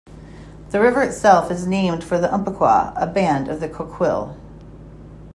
The river itself is named for the Umpqua, a band of the Coquille.